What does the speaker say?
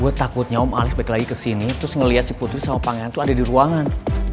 gue takutnya om alis balik lagi kesini terus ngeliat si putri sama pangeran tuh ada di ruangan